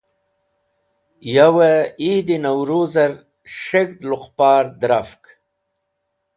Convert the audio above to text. Yowey Eid e Nauruz er S̃heg̃hd Luqpar Dẽrafk